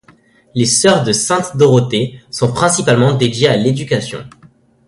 Les sœurs de sainte Dorothée sont principalement dédiées à l'éducation.